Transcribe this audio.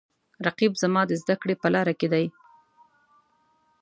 رقیب زما د زده کړې په لاره کې دی